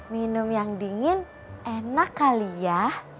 minum yang dingin enak kali ya